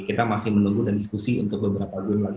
kita masih menunggu dan diskusi untuk beberapa bulan lagi